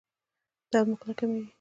درد مو کله کمیږي؟